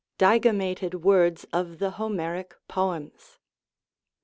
DIGAMMATED WORDS OF THE HOMERIC POEMS.